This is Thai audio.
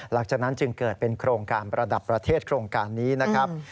หลังจากนั้นจึงเกิดเป็นโครงการประดับประเทศโครงการนี้นะครับ